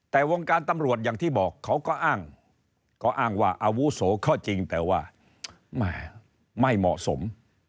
แต่วงการตำรวจอย่างที่บอกเขาก็อ้างก็อ้างว่าอาวุโสก็จริงแต่ว่าไม่เหมาะสม